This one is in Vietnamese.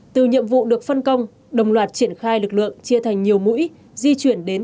từ nhiệm vụ được phân công đồng loạt triển khai lực lượng chia thành nhiều mũi di chuyển đến